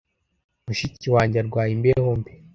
Mushiki wanjye arwaye imbeho mbi